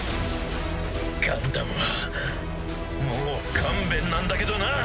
ガンダムはもう勘弁なんだけどなぁ！